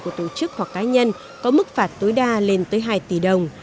của tổ chức hoặc cá nhân có mức phạt tối đa lên tới hai tỷ đồng